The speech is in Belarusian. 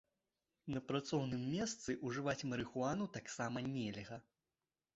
На працоўным месцы ўжываць марыхуану таксама нельга.